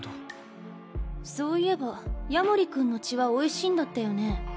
そういえば夜守君の血はおいしいんだったよね？